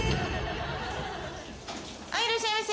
はいいらっしゃいませ！